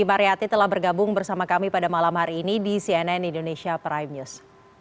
imariati telah bergabung bersama kami pada malam hari ini di cnn indonesia prime news